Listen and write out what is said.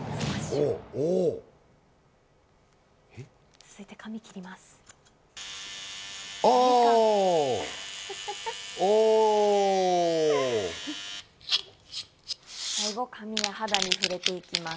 続いて髪を切ります。